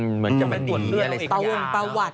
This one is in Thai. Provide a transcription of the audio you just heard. เหมือนจะเป็นประวัติ